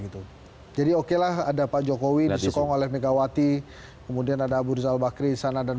gitu jadi okelah ada pak jokowi disukong oleh megawati kemudian ada abu rizal bakri sana dan